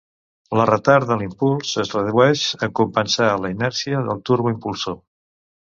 La retard de l'impuls es redueix en compensar la inèrcia del turbo impulsor.